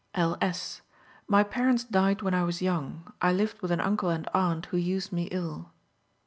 L. S.: "My parents died when I was young. I lived with an uncle and aunt, who used me ill."